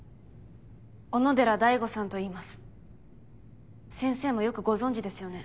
小野寺大伍さんといいます先生もよくご存じですよね。